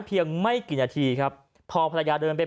เพียงไม่กี่นาทีพอภรรยาเดินไป